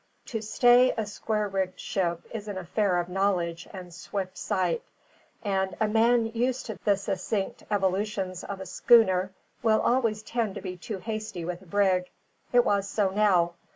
To stay a square rigged ship is an affair of knowledge and swift sight; and a man used to the succinct evolutions of a schooner will always tend to be too hasty with a brig. It was so now.